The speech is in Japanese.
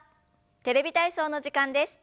「テレビ体操」の時間です。